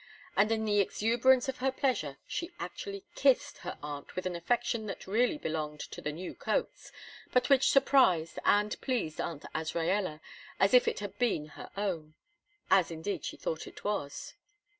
And in the exuberance of her pleasure she actually kissed her aunt with an affection that really belonged to the new coats, but which surprised and pleased Aunt Azraella as if it had been her own as indeed she thought it was.